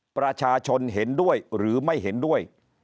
ประชาชนเห็นด้วยหรือไม่เห็นด้วย